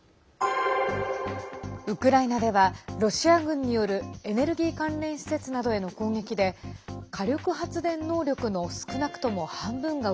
ウクライナではロシア軍によるエネルギー関連施設などへの攻撃で火力発電能力の少なくとも半分が